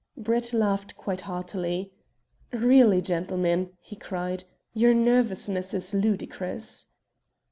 Brett laughed quite heartily. "Really, gentlemen," he cried, "your nervousness is ludicrous."